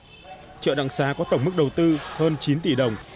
tuy nhiên chợ đặng xá có tổng mức đầu tư hơn chín tỷ đồng